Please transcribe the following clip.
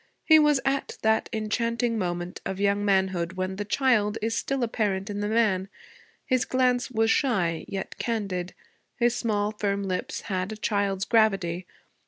He was at that enchanting moment of young manhood when the child is still apparent in the man. His glance was shy, yet candid; his small, firm lips had a child's gravity.